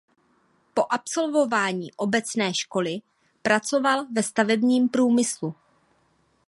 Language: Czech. Po absolvování obecné školy pracoval ve stavebním průmyslu.